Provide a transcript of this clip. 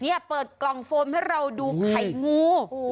นี่เปิดกล่องโฟมให้เราดูไข่งู